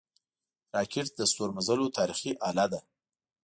راکټ د ستورمزلو تاریخي اله ده